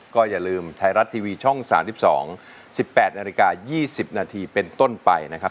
ก็อย่าลืมไทยรัฐทีวีช่อง๓๒๑๘นาฬิกา๒๐นาทีเป็นต้นไปนะครับ